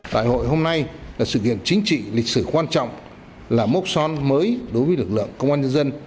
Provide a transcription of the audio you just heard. đại hội hôm nay là sự kiện chính trị lịch sử quan trọng là mốc son mới đối với lực lượng công an nhân dân